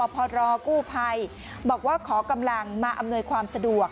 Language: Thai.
พอรอกู้ภัยบอกว่าขอกำลังมาอำนวยความสะดวก